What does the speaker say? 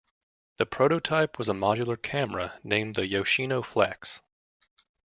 The prototype was a modular camera named the "Yoshino Flex".